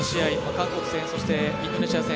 韓国戦、そしてインドネシア戦。